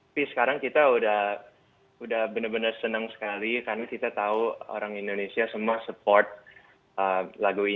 tapi sekarang kita udah bener bener senang sekali karena kita tahu orang indonesia semua support lagu ini